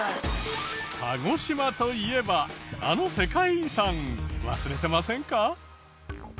鹿児島といえばあの世界遺産忘れてませんか？